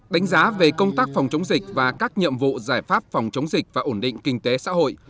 đánh giá về công tác phòng chống dịch và các nhiệm vụ giải pháp phòng chống dịch và ổn định kinh tế xã hội